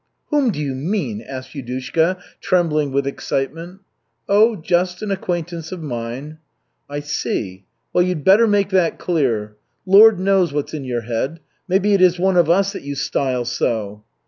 "Whom do you mean?" asked Yudushka, trembling with excitement. "Oh, just an acquaintance of mine." "I see. Well, you'd better make that clear. Lord knows what's in your head. Maybe it is one of us that you style so."